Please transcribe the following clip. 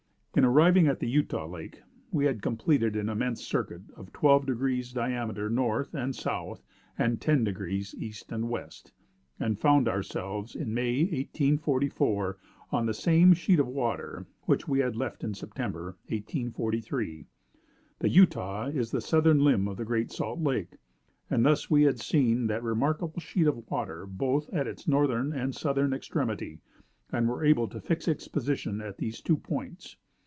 "In arriving at the Utah Lake, we had completed an immense circuit of twelve degrees diameter north and south, and ten degrees east and west; and found ourselves in May, 1844, on the same sheet of water which we had left in September, 1843. The Utah is the southern limb of the Great Salt Lake; and thus we had seen that remarkable sheet of water both at its northern and southern extremity, and were able to fix its position at these two points.